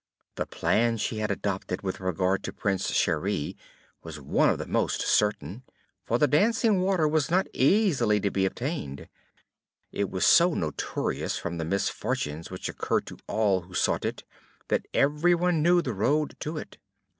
The plan she had adopted with regard to Prince Cheri was one of the most certain, for the dancing water was not easily to be obtained; it was so notorious from the misfortunes which occurred to all who sought it, that every one knew the road to it.